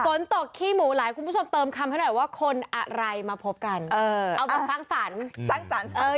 ฝนตกขี้หมูหลายคุณผู้ชมเติมคำให้หน่อยว่าคนอะไรมาพบกันเอามาสร้างสรรค์